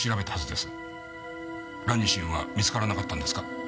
ラニシンは見つからなかったんですか？